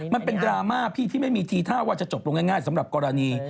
มันเป็นดราม่าพี่ที่ไม่มีทีท่าว่าจะจบลงง่ายสำหรับกรณี